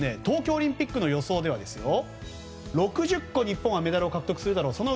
東京オリンピックの予想では６０個、日本はメダルを獲得するだろう。